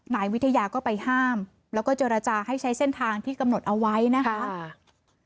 นายวิทยาก็ไปห้ามแล้วก็เจรจาให้ใช้เส้นทางที่กำหนดเอาไว้นะคะ